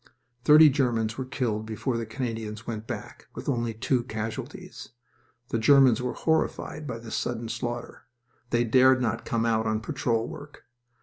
Thirty Germans were killed before the Canadians went back, with only two casualties... The Germans were horrified by this sudden slaughter. They dared not come out on patrol work.